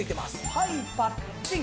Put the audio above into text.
はいパッチン。